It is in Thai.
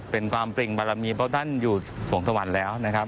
เป็นความเปร่งบรรลามีเพราะท่านอยู่ส่วนสวรรค์แล้ว